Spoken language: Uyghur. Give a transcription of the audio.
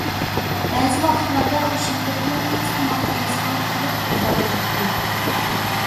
بەزى ۋاقىتلاردا، ئۇ شىركەتنىڭ تېز تاماقخانىسىغا كېلىپ غىزالىناتتى.